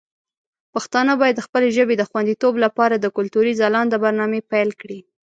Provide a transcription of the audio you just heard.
پښتانه باید د خپلې ژبې د خوندیتوب لپاره د کلتوري ځلانده برنامې پیل کړي.